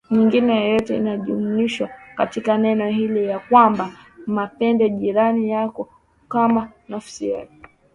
nyingine yoyote inajumlishwa katika neno hili ya kwamba Mpende jirani yako kama nafsi yako